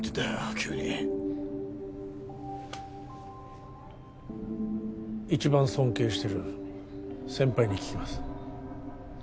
急に一番尊敬してる先輩に聞きます